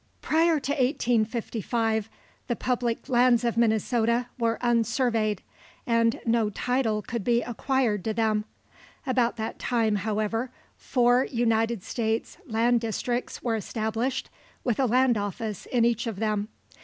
Prior to 1855 the public lands of Minnesota were unsurveyed, and no title could be acquired to them. About that time, however, four United States land districts were established, with a land office in each of them.